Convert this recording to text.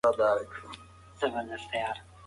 تقليد مه کوئ نوښت وکړئ.